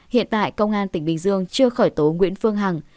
hiện tại công an tỉnh bình dương chưa khởi tố nguyễn phương hằng